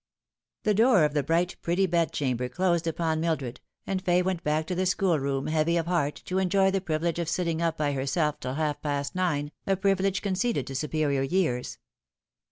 The door of the bright, pretty bedchamber closed upon Mil dred, and Fay went back to the schoolroom heavy of heart, to enjoy the privilege of sitting up by herself till half past nine, a privilege conceded to superior years.